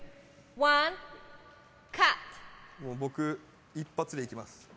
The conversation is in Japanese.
僕、一発でいきます。